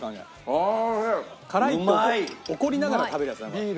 辛い！って怒りながら食べるやつだなこれ。